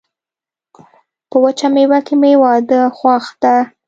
په وچه میوه کي مي واده خوښ ده.